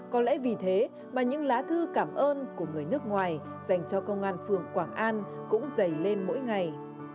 có lẽ vì thế mà những lá thư cảm ơn của người nước ngoài dành cho công an phường quảng an cũng dày lên mỗi ngày